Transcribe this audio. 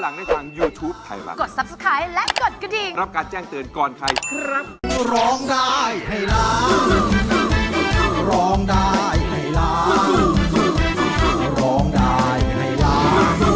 ร้องได้ให้ล้านร้องได้ให้ล้าน